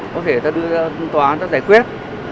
có thể ta đưa ra tòa án ta giải quyết